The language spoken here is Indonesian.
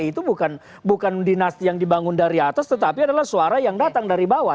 itu bukan dinasti yang dibangun dari atas tetapi adalah suara yang datang dari bawah